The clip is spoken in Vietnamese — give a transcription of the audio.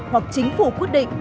hoặc chính phủ quyết định